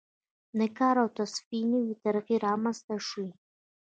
د کار او تصفیې نوې طریقې رامنځته شوې.